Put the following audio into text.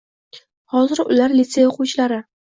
Hozir ular litsey oʻquvchilari